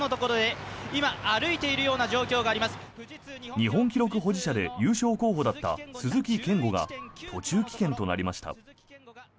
日本記録保持者で優勝候補だった鈴木健吾が途中棄権となりました。